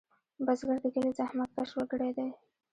بزګر د کلي زحمتکش وګړی دی